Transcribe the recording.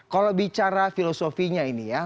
kalau bicara filosofinya ini ya